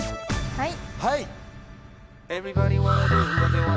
はい！